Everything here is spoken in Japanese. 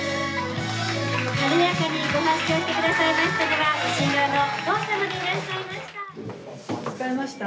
軽やかにご発声してくださいましたのは新郎のお父様でいらっしゃいました。